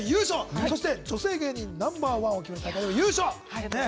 そして、女性芸人ナンバーワンを決める戦いでも優勝！